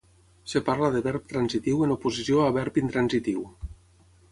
Es parla de verb transitiu en oposició a verb intransitiu.